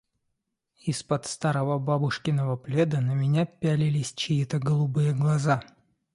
Из-под старого бабушкиного пледа на меня пялились чьи-то голубые глаза.